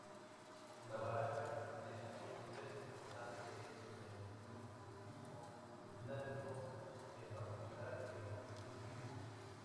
La baraka es un concepto importante en el misticismo islámico, en particular el sufismo.